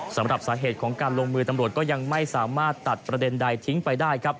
สำหรับสาเหตุของการลงมือตำรวจก็ยังไม่สามารถตัดประเด็นใดทิ้งไปได้ครับ